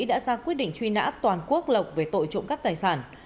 đã ra quyết định truy nã toàn quốc lộc về tội trộm cắp tài sản